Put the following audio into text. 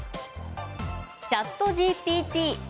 ＣｈａｔＧＰＴ。